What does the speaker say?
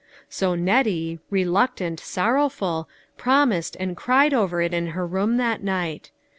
So Nettie, reluctant, sorrowful, promised, and cried over it^in her room that night.